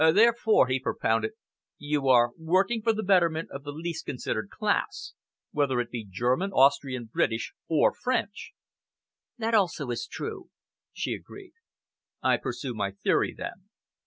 "Therefore," he propounded, "you are working for the betterment of the least considered class, whether it be German, Austrian, British, or French?" "That also is true," she agreed. "I pursue my theory, then.